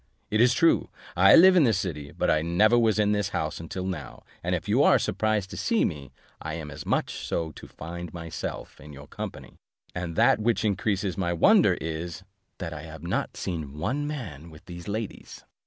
It is true, I live in this city, but I never was in the house until now, and if you are surprised to see me I am as much so to find myself in your company; and that which increases my wonder is, that I have not seen one man with these ladies."